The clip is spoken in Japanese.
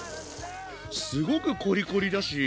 すごくコリコリだし